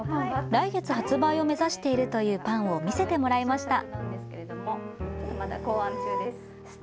来月、発売を目指しているというパンを見せてもらいました。